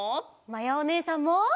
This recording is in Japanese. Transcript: まやおねえさんも！